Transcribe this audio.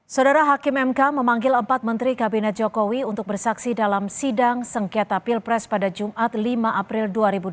saudara hakim mk memanggil empat menteri kabinet jokowi untuk bersaksi dalam sidang sengketa pilpres pada jumat lima april dua ribu dua puluh